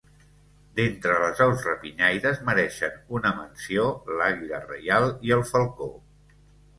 D'entre les aus rapinyaires mereixen una menció l'àguila reial i el falcó.